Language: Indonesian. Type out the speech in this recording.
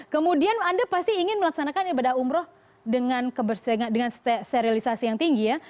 kemudian anda pasti ingin melaksanakan ibadah umroh dengan sterilisasi yang tinggi ya